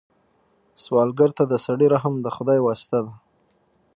سوالګر ته د سړي رحم د خدای واسطه ده